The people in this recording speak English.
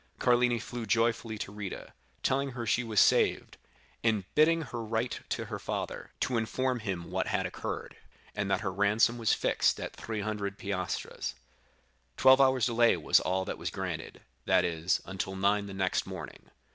"Carlini flew joyfully to Rita, telling her she was saved, and bidding her write to her father, to inform him what had occurred, and that her ransom was fixed at three hundred piastres. Twelve hours' delay was all that was granted—that is, until nine the next morning.